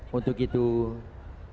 tentu mari sama sama